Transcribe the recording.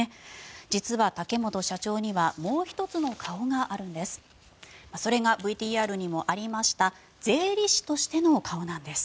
実は竹本社長にはもう１つの顔があるんです。